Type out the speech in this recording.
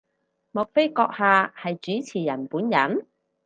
莫非閣下係主持人本人？